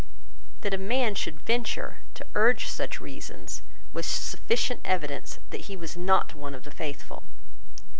That a man should venture to urge such reasons was sufficient evidence that he was not one of the faithful.